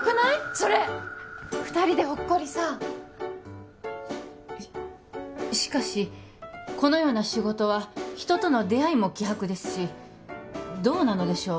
それ２人でほっこりさしかしこのような仕事は人との出会いも希薄ですしどうなのでしょう？